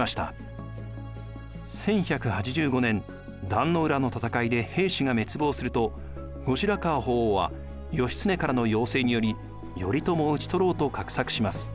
１１８５年壇の浦の戦いで平氏が滅亡すると後白河法皇は義経からの要請により頼朝を討ち取ろうと画策します。